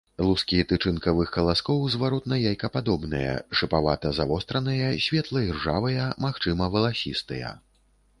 Лускі тычынкавых каласкоў зваротна-яйкападобныя, шыпавата-завостраныя, светла-іржавыя, магчыма валасістыя.